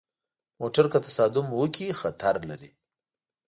موټر که تصادم وکړي، خطر لري.